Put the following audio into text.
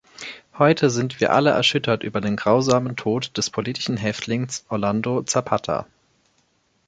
Heute sind wir alle erschüttert über den grausamen Tod des politischen Häftlings Orlando Zapata.